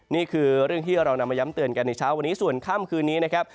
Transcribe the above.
นี่คือเรื่องที่เรานำมาย้ำเตือนกันในเช้าวันนี้ส่วนค่ำคืนนี้นะครับ